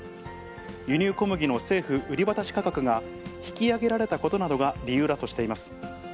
輸入小麦の政府売り渡し価格が引き上げられたことなどが理由だとしています。